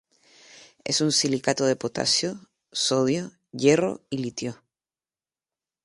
Es un silicato de potasio, sodio, hierro y litio.